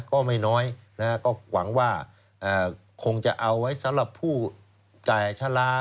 ก็ไม่น้อยนะฮะก็หวังว่าคงจะเอาไว้สำหรับผู้จ่ายชะลา